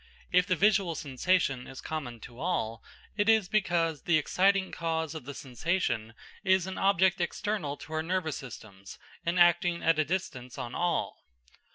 If the visual sensation is common to all, it is because the exciting cause of the sensation is an object external to our nervous systems, and acting at a distance on all.